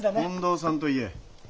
近藤さんと言え。